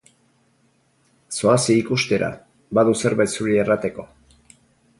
Zoazi ikustera, badu zerbait zuri errateko.